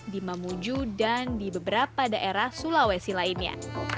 dimamuju dan di beberapa daerah sulawesi lainnya